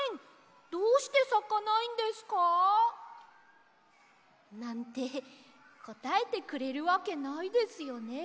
どうしてさかないんですか？なんてこたえてくれるわけないですよね。